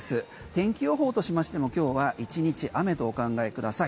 天気予報としましても今日は１日雨とお考えください。